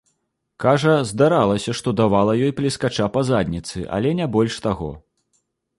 Кажа, здаралася, што давала ёй плескача па задніцы, але не больш таго.